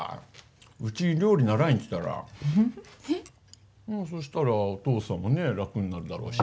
うちに料理、習いに来たら？えっ？そしたら、お父さんもね楽になるだろうし。